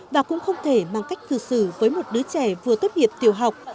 và cũng không thể mang cách cư xử với một đứa trẻ vừa tốt nghiệp tiểu học